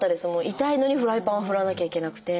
痛いのにフライパンを振らなきゃいけなくて。